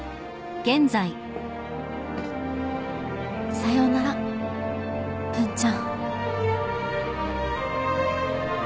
さようなら文ちゃん。